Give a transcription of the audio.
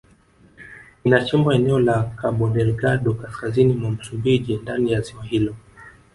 Inachimbwa eneo la Kabodelgado kaskazini mwa Msumbiji ndani ya ziwa hilo